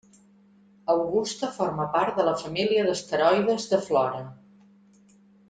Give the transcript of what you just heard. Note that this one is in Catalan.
Augusta forma part de la família d'asteroides de Flora.